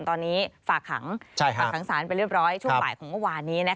ตอนนี้ฝากหังศาลไปเรียบร้อยช่วงหลายของวันนี้